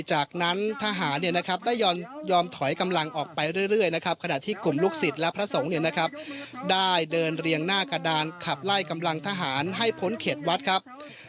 จากนั้นทหารได้ยอมถอยกำลังออกไปเรื่อยนะครับขณะที่กลุ่มลูกศิษย์และพระสงฆ์ได้เดินเรียงหน้ากระดานขับไล่กำลังทหารให้พ้นเขตวัดครับ